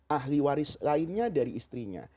ahli waris lainnya dari istrinya